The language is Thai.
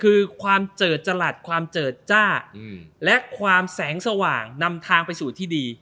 คือความเจิดจรัสความเจิดจ้าและความแสงสว่างนำทางไปสู่ที่ดี